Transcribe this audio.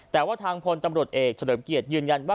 แต่ว่าทางพลตำรวจเอกเฉลิมเกียรติยืนยันว่า